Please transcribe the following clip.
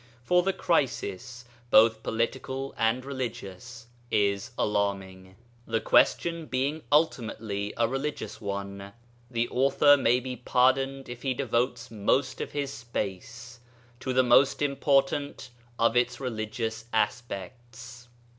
For the crisis, both political and religious, is alarming. The question being ultimately a religious one, the author may be pardoned if he devotes most of his space to the most important of its religious aspects.